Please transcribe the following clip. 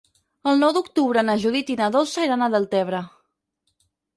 El nou d'octubre na Judit i na Dolça iran a Deltebre.